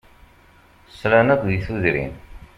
Slan akk di tudrin.